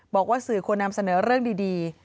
บอกว่าสื่อควรนำเสนอเรื่องดี